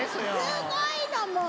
すごいのもう。